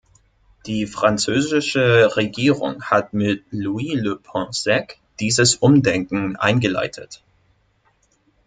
Die französische Regierung hat mit Louis Le Pensec dieses Umdenken eingeleitet.